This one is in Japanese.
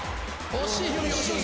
惜しい。